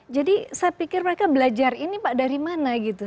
saya pikir mereka belajar ini pak dari mana gitu